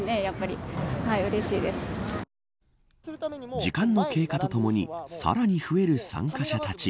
時間の経過とともにさらに増える参加者たち。